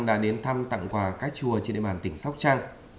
đã đến thăm tặng quà các chùa trên địa bàn tỉnh sóc trăng